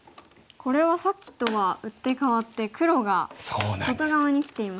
これはさっきとは打って変わって黒が外側にきていますね。